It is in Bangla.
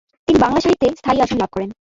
তিনি বাংলা সাহিত্যে স্থায়ী আসন লাভ করেন।